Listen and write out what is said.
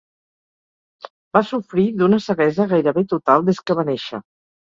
Va sofrir d'una ceguesa gairebé total des que va néixer.